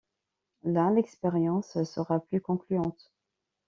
Là, l’expérience sera plus concluante.